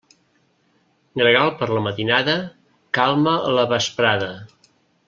Gregal per la matinada, calma a la vesprada.